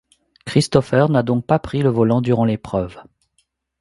Christoffer n'a donc pas pris le volant durant l'épreuve.